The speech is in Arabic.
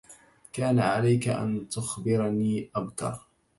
كان عليك أن تخبرني أبكر.